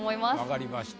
わかりました。